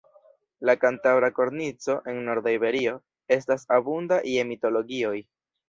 La Kantabra Kornico, en norda Iberio, estas abunda je mitologioj.